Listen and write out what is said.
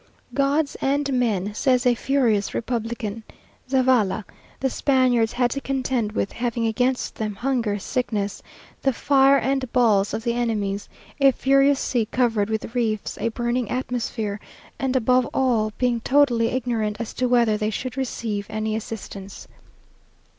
"Gods and men," says a furious republican (Zavala), "the Spaniards had to contend with; having against them, hunger, sickness, the fire and balls of the enemies, a furious sea covered with reefs, a burning atmosphere, and above all, being totally ignorant as to whether they should receive any assistance."